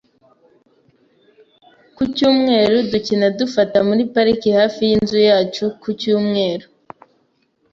Ku cyumweru, dukina gufata muri parike hafi yinzu yacu ku cyumweru.